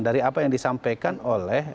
dari apa yang disampaikan oleh